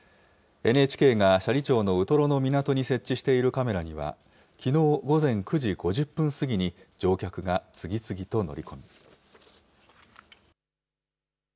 ＮＨＫが斜里町のウトロの港に設置しているカメラには、きのう午前９時５０分過ぎに乗客が次々と乗り込み。